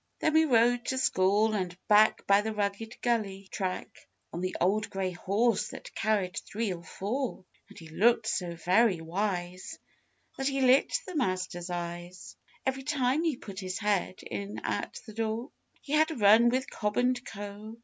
Then we rode to school and back by the rugged gully track, On the old grey horse that carried three or four; And he looked so very wise that he lit the master's eyes Every time he put his head in at the door. He had run with Cobb and Co.